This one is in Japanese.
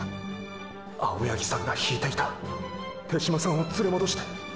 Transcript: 青八木さんが引いていた手嶋さんを連れ戻して。